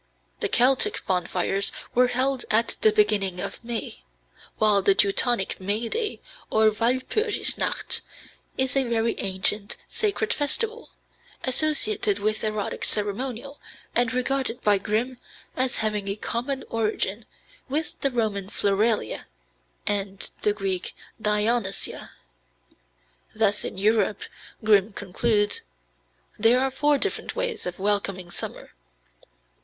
The Celtic bonfires were held at the beginning of May, while the Teutonic May day, or Walpurgisnacht, is a very ancient sacred festival, associated with erotic ceremonial, and regarded by Grimm as having a common origin with the Roman floralia and the Greek dionysia. Thus, in Europe, Grimm concludes: "there are four different ways of welcoming summer.